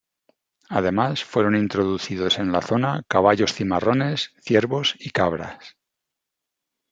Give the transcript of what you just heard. Además, fueron introducidos en la zona caballos cimarrones, ciervos y cabras.